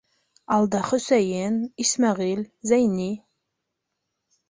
Алда Хөсәйен, Исмәғил, Зәйни.